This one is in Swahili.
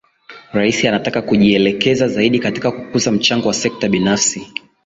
Rais anataka kujielekeza zaidi katika kukuza mchango wa sekta binafsi